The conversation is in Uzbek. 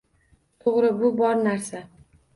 To`g`ri, bu bor narsa